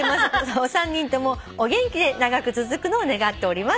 「お三人ともお元気で長く続くのを願っております」